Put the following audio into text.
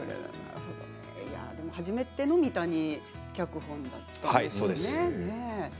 初めての三谷脚本だったということですね。